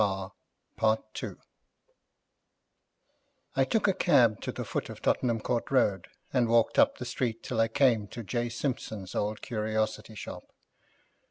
I took a cab to the foot of Tottenham Court Road, and walked up that street till I came to J. Simpson's old curiosity shop.